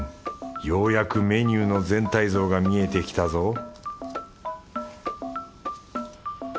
ようやくメニューの全体像が見えてきたぞ